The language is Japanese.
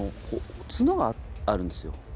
ツノがあるんですよ。